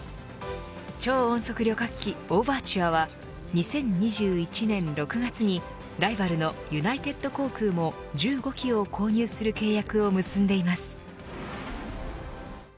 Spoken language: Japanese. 超音速旅客機オーバーチュアは２０２１年６月にライバルのユナイテッド航空も１５機を購入する契約を結んでいます。